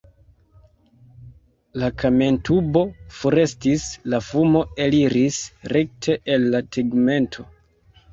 La kamentubo forestis, la fumo eliris rekte el la tegmento.